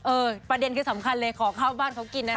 ประเด็นคือสำคัญเลยขอข้าวบ้านเขากินนะคะ